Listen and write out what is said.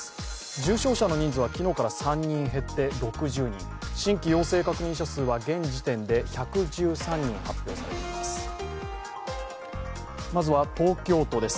重症者の人数は昨日から３人減って６０人新規陽性確認者数は現時点で１１３人発表されています。